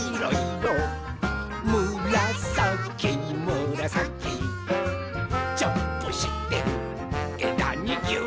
「むらさきむらさき」「ジャンプしてえだにぎゅう！」